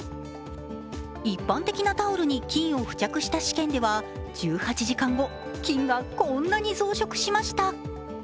一般的なタオルに菌を付着した試験では１８時間後、菌がこんなに増殖しました。